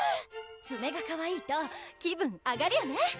爪がかわいいと気分アガるよね！